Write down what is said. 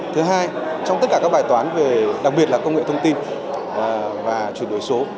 thứ hai trong tất cả các bài toán về đặc biệt là công nghệ thông tin và chuyển đổi số